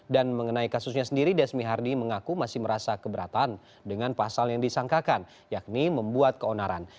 dan mengenai kasusnya sendiri desmi hardy mengaku masih merasa keberatan dengan pasal yang disangkakan yakni membuat keonaran